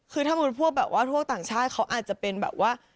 คือถ้าพวกแบบว่าทั่วต่างชาติเขาอาจจะเป็นแบบว่า